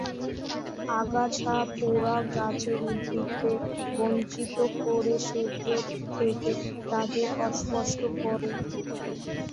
আগাছা পোড়া গাছের উদ্ভিদকে বঞ্চিত করে, সূর্য থেকে তাদের অস্পষ্ট করে।